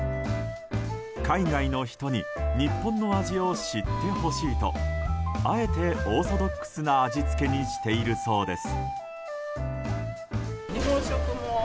海外の人に日本の味を知ってほしいとあえてオーソドックスな味付けにしているそうです。